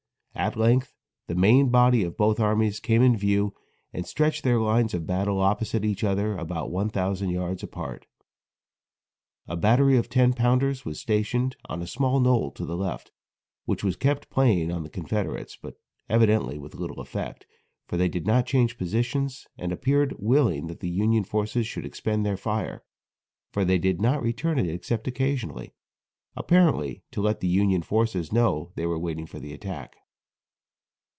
At length the main body of both armies came in view and stretched their lines of battle opposite each other about one thousand yards apart. A battery of ten pounders was stationed on a small knoll to the left, which was kept playing on the Confederates, but evidently with little effect, for they did not change positions and appeared willing that the Union forces should expend their fire, for they did not return it except occasionally, apparently to let the Union forces know they were waiting for the attack.